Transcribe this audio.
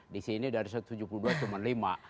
di sini dari satu ratus tujuh puluh dua cuma lima